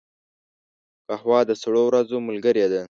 قهوه د سړو ورځو ملګرې ده